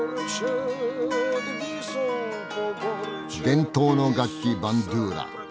伝統の楽器バンドゥーラ。